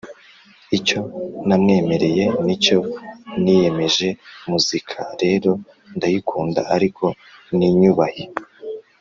icyo namwemereye n'icyo niyemeje. Muzika rero ndayikunda, ariko ninyubahe. "